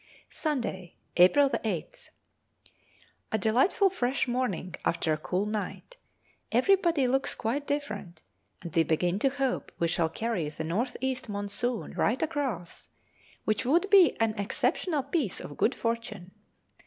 Sunday, April 8th. A delightful fresh morning after a cool night. Everybody looks quite different, and we begin to hope we shall carry the north east monsoon right across, which would be an exceptional piece of good fortune.